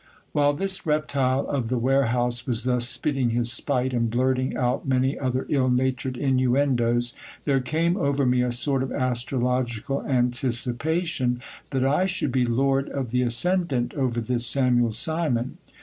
While this reptile of the warehouse was thus spitting his spite and blurting out many other ill natured inuendos, there came over me a sort of astrological anticipation that I should be lord of the ascendant over this Samuel Simon.